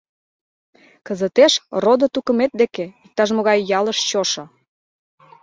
— Кызытеш родо-тукымет деке иктаж-могай ялыш чошо!